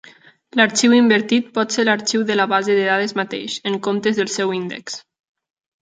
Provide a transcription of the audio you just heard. L'arxiu invertit pot ser l'arxiu de la base de dades mateix, en comptes del seu índex.